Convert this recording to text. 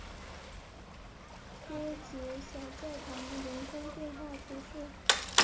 戈捷小教堂人口变化图示